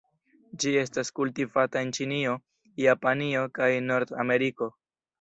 Ĝi estas kultivata en Ĉinio, Japanio kaj Nord-Ameriko.